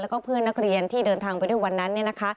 แล้วก็เพื่อนนักเรียนที่เดินทางไปด้วยวันนั้น